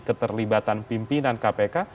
keterlibatan pimpinan kpk